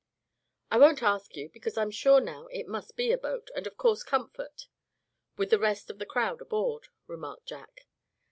"I won't ask you, because I'm sure now it must be a boat, and of course Comfort, with the rest of the crowd aboard," remarked Jack.